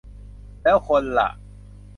แล้วคนล่ะ